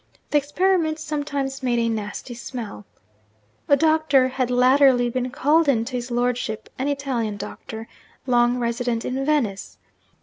The experiments sometimes made a nasty smell. A doctor had latterly been called in to his lordship an Italian doctor, long resident in Venice.